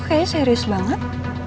kayaknya serius banget